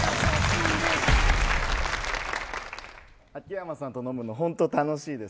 秋山さんと飲むの本当楽しいです。